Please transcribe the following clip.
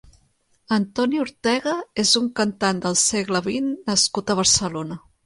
Antoni Ortega és un cantant del segle vint nascut a Barcelona.